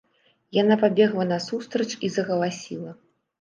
Яна пабегла насустрач і загаласіла.